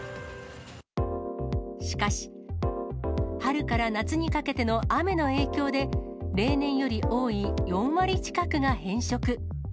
しかし、春から夏にかけての雨の影響で、例年より多い４割近くが偏食。